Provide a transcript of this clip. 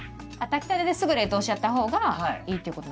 炊きたてですぐ冷凍しちゃったほうがいいっていうこと？